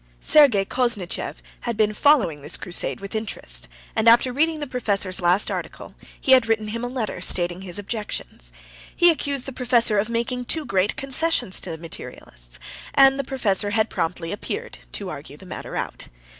Sergey Koznishev had been following this crusade with interest, and after reading the professor's last article, he had written him a letter stating his objections. He accused the professor of making too great concessions to the materialists. And the professor had promptly appeared to argue the matter out.